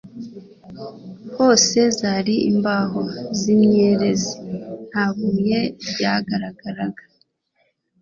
Hose zari imbaho z’imyerezi nta buye ryagaragaraga